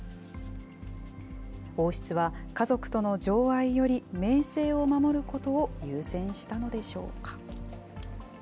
王室は、家族との情愛より、名声を守ることを優先したのでしょう